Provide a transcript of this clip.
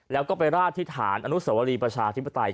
แล้วก็ไปราดที่ฐานอนุสวรีประชาธิปไตย